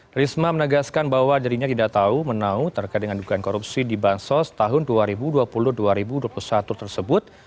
risma menegaskan bahwa dirinya tidak tahu menau terkait dengan dugaan korupsi di bansos tahun dua ribu dua puluh dua ribu dua puluh satu tersebut